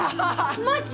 マジ！？